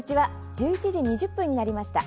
１１時２０分になりました。